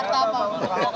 untuk jakarta pak